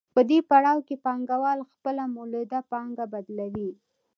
په دې پړاو کې پانګوال خپله مولده پانګه بدلوي